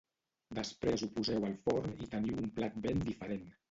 Després ho poseu al forn i teniu un plat ben diferent.